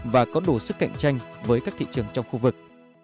và có đủ sức cạnh tranh với các thị trường trong khu vực